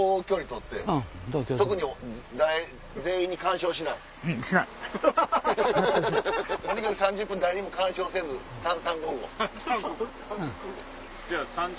とにかく３０分誰にも干渉せず三々五々。